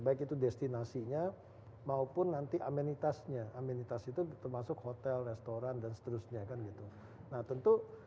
baik itu destinasinya maupun nanti amenitasnya amenitas itu termasuk hotel restoran dan seterusnya kan gitu nah tentu